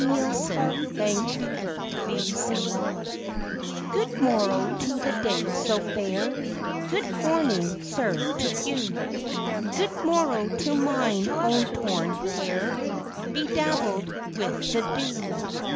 43. THE MAD MAID'S SONG Good morrow to the day so fair; Good morning, sir, to you; Good morrow to mine own torn hair, Bedabbled with the dew.